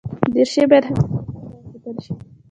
دریشي باید همېشه پاک وساتل شي.